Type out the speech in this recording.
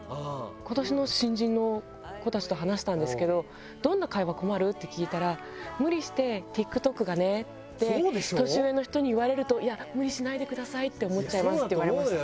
今年の新人の子たちと話したんですけど「どんな会話困る？」って聞いたら「無理して“ＴｉｋＴｏｋがね”って年上の人に言われるといや無理しないでくださいって思っちゃいます」って言われました。